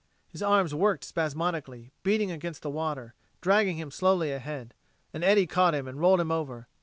His arms worked spasmodically, beating against the water, dragging him slowly ahead. An eddy caught him and rolled him over.